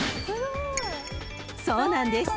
［そうなんです］